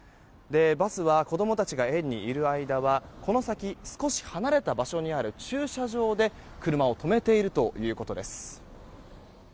バスは子供たちが園にいる間はこの先、少し離れた場所にある駐車場で車を止めているということです。